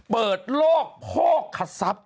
เปิดโลกโภคศัพย์